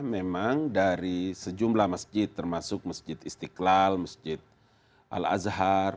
memang dari sejumlah masjid termasuk masjid istiqlal masjid al azhar